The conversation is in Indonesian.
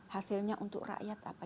hasilnya untuk rakyat apa